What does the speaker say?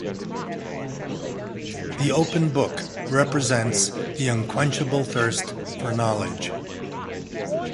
The open book represents the unquenchable thirst for knowledge.